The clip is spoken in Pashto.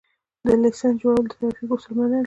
د لېسنس جوړول د ترافیکو اصول منل دي